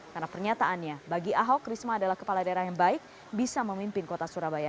karena pernyataannya bagi ahok risma adalah kepala daerah yang baik bisa memimpin kota surabaya